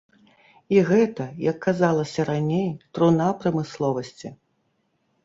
І гэта, як казалася раней, труна прамысловасці.